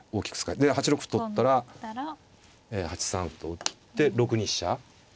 で８六歩取ったら８三歩と打って６二飛車。